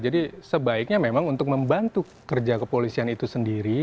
jadi sebaiknya memang untuk membantu kerja kepolisian itu sendiri